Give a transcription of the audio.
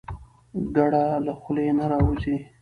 ګړه له خولې نه راوځي.